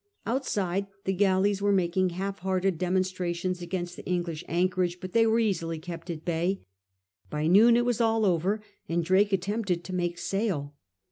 Outside, the galleys were making half hearted demonstrations against the English anchorage, but they were easily kept at bay. By noon it was all over, and Drake attempted to make sail.